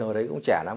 hồi đấy cũng trẻ lắm